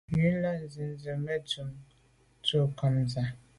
Wù z’a lèn ju ze me te num nko’ tshan à.